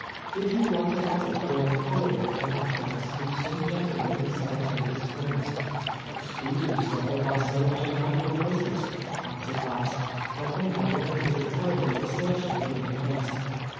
" Did you write a letter for a colored man at that place to some gentleman in Saratoga Springs ?"" Excuse me, sir, if I say that is none of your busi ness," answered Bass, stopping and looking his inter rogator searchingly in the face.